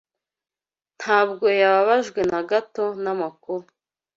Ntabwo yababajwe na gato n'amakuru.